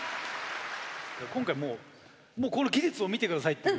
今回もうもうこの技術を見て下さいっていう。